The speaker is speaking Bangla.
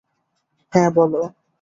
হ্যাঁ, বল!